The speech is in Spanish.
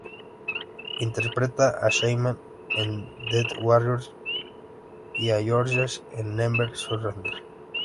Interpreta a Shaman en "Death Warrior", y a Georges en "Never Surrender".